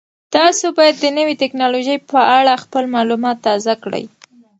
تاسو باید د نوې تکنالوژۍ په اړه خپل معلومات تازه کړئ.